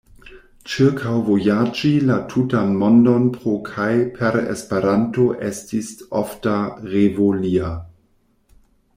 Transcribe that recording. Ĉirkaŭvojaĝi la tutan mondon pro kaj per Esperanto estis ofta revo lia.